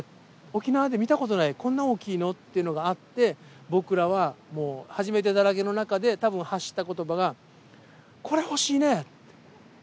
沖縄で見たことない、こんな大きいの？っていうのがあって、僕らはもう、初めてだらけの中で、たぶん、発したことばが、これ欲しいね！